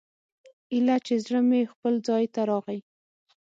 ايله چې زړه مې خپل ځاى ته راغى.